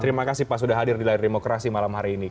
terima kasih pak sudah hadir di layar demokrasi malam hari ini